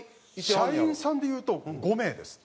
社員さんでいうと５名です。